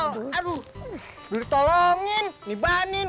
beli tolongin dibahenin